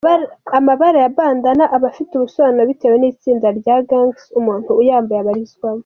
Amabara ya Bandana aba afite ubusobanuro bitewe n’itsinda rya “Gangs” umuntu uyambaye abarizwamo.